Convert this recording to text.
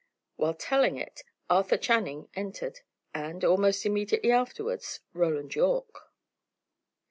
While telling it, Arthur Channing entered, and, almost immediately afterwards, Roland Yorke.